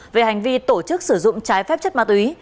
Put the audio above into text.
về hành vi tổ chức sử dụng trái phép chất ma túy